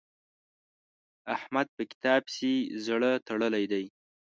احمد په کتاب پسې زړه تړلی دی.